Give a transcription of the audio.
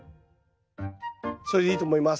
それでいいと思います。